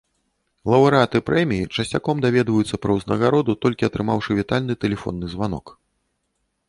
Лаўрэаты прэміі часцяком даведваюцца пра ўзнагароду толькі атрымаўшы вітальны тэлефонны званок.